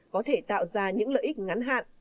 có thể tạo ra những lợi ích ngắn hạn